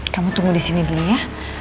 kamu tunggu di sini dulu ya